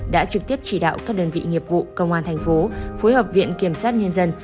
đã trực tiếp chỉ đạo các đơn vị nghiệp vụ công an tp phối hợp viện kiểm soát nhân dân